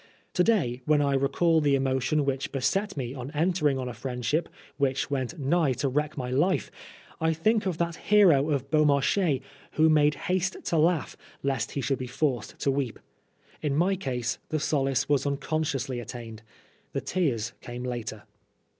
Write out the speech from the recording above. To day, when I recall the emotion which beset me on entering on a friendship which went nigh to wreck my life, I think of that hero of Beaumarchais who made 22 Oscar Wilde ^ haste to laugh lest he should be forced to weep. In my case the solace was un consciously attained. The tears came later.